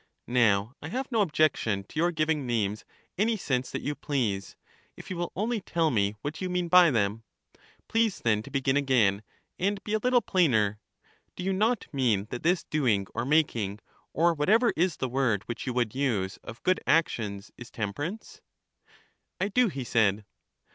Now I have no objection to your giving names any sense that you please, if you will only tell me what you mean by them. Please then to begin again, and be a little plainer. Do you not mean that this doing or making, or whatever is the word which you would use, of good actions, is temperance? 1 do, he said.